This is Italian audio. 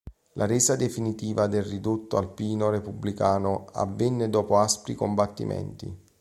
La resa definitiva del Ridotto alpino repubblicano avvenne dopo aspri combattimenti.